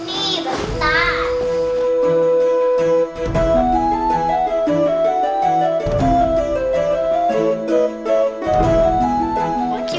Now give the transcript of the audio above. iya lagi disusun nih